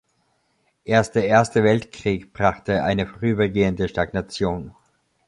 Erst der Erste Weltkrieg brachte eine vorübergehende Stagnation.